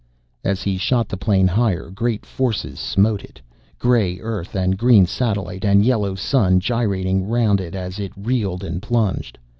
As he shot the plane higher, great forces smote it, gray Earth and green satellite and yellow sun gyrating round it as it reeled and plunged.